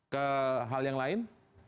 ke hal yang lain